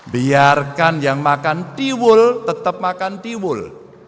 biarkan yang makan tiwul tetap makan tiwul